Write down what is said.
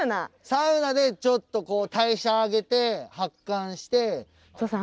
サウナでちょっと代謝上げて発汗して。